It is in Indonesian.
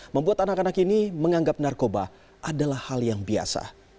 membuat anak anak ini menganggap narkoba adalah hal yang biasa